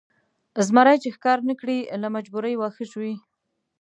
زمری چې ښکار نه کړي له مجبورۍ واښه ژوي.